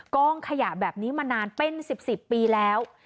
กองขยะแบบนี้มานานเป็น๑๐ปีแล้ว